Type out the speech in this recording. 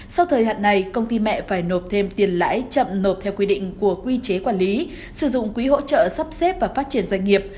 sau thời hạn này công ty mẹ phải nộp thêm tiền lãi chậm nộp theo quy định của quy chế quản lý sử dụng quỹ hỗ trợ sắp xếp và phát triển doanh nghiệp